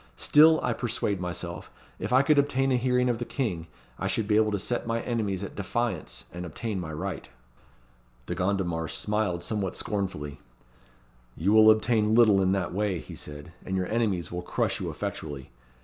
Still I persuade myself, if I could obtain a hearing of the King, I should be able to set my enemies at defiance and obtain my right." De Gondomar smiled somewhat scornfully. "You will obtain little in that way," he said, "and your enemies will crush you effectually.